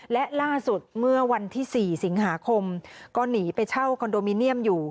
และล่าสุดเมื่อวันที่๔สิงหาคมก็หนีไปเช่าคอนโดมิเนียมอยู่